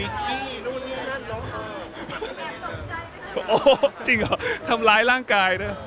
อุ้ยจริงหรอทำร้ายร่างกาย